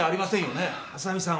浅見さん。